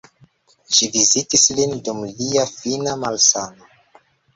Ŝi vizitis lin dum lia fina malsano.